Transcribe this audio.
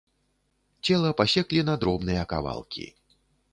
Цела пасеклі на дробныя кавалкі.